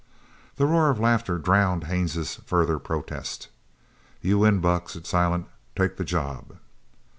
The roar of laughter drowned Haines's further protest. "You win, Buck," said Silent. "Take the job."